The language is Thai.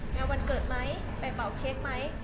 วันเกิดไหมไปเป่าเค้กไหม